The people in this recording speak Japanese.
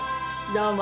どうも。